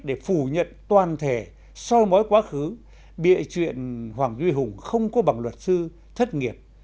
để phủ nhận toàn thể so mối quá khứ bị chuyện hoàng duy hùng không có bằng luật sư thất nghiệp